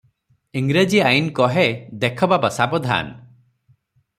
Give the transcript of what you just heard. ଇଂରେଜୀ ଆଇନ କହେ, 'ଦେଖ ବାବା ସାବଧାନ!